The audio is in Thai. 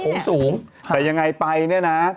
สูงแต่ยังไงไปเนี่ยนะ